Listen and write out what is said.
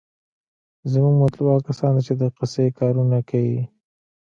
زمونګه مطلوب هغه کسان دي چې دقسې کارونه کيي.